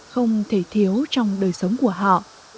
không thể thiếu trong đời sống của họ